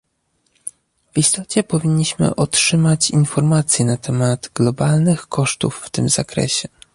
W istocie powinniśmy otrzymać informacje na temat globalnych kosztów w tym zakresie